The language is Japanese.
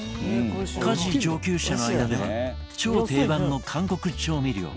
家事上級者の間では超定番の韓国調味料